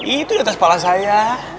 itu di atas pala saya